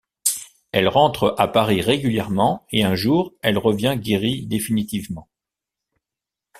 Elle rentre à Paris régulièrement et un jour, elle revient guérie définitivement.